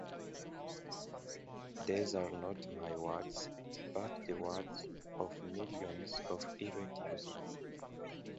These are not my words, but the words of millions of irate users.